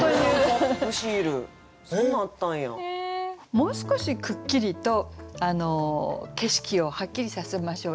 もう少しくっきりと景色をはっきりさせましょう。